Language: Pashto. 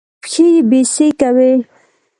پښې يې بېسېکه وې.